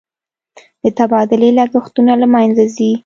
د تبادلې لګښتونه له مینځه ځي.